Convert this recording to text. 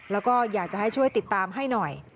แล้วก็อยากจะให้ช่วยติดตามให้หน่อย